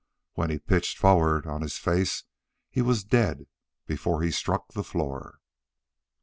When he pitched forward on his face he was dead before he struck the floor.